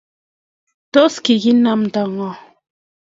tos ki inaamta ng'o?